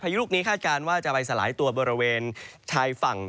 ยุลูกนี้คาดการณ์ว่าจะไปสลายตัวบริเวณชายฝั่ง